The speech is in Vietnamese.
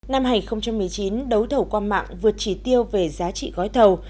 năm hai nghìn một mươi chín đấu thầu qua mạng vượt chỉ tiêu về giá trị gói thầu